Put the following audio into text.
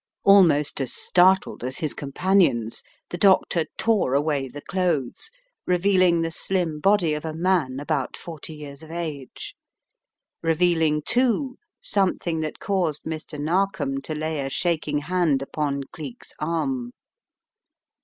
Almost as startled as his companions, the doctor tore away the clothes, revealing the slim body of a man about forty years of age, revealing, too, some thing that caused Mr. Narkom to lay a shaking hand upon Cleek's arm.